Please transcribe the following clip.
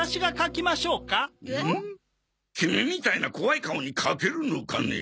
キミみたいな怖い顔に書けるのかね？